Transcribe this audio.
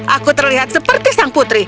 aku terlihat seperti sang putri